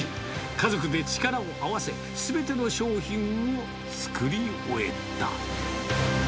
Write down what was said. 家族で力を合わせ、すべての商品を作り終えた。